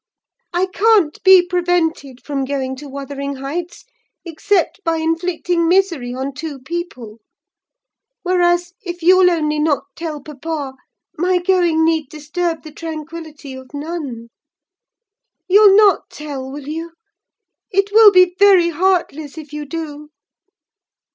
I can't be prevented from going to Wuthering Heights, except by inflicting misery on two people; whereas, if you'll only not tell papa, my going need disturb the tranquillity of none. You'll not tell, will you? It will be very heartless, if you do."